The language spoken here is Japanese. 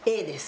Ａです